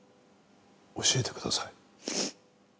教えてください。